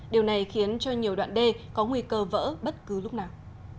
điều này khiến cho nhiều đoạn đê có nguy cơ vỡ bất cứ lúc nào